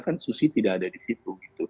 kan susi tidak ada di situ